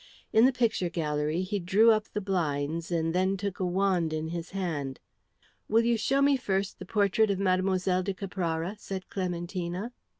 In the picture gallery he drew up the blinds and then took a wand in his hand. "Will you show me first the portrait of Mlle. de Caprara?" said Clementina.